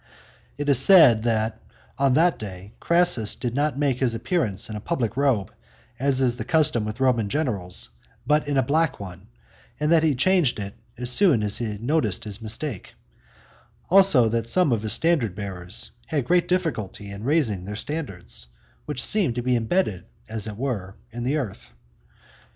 XXIII. It is said that on that day Crassus did not make his appearance in a purple robe, as is the custom with Roman generals, but in a black one, and that he changed it as soon as he noticed his mistake ; also that some of the standard bearers had great difficulty in raising their standards, which seemed to be imbedded, as it were, in the earth.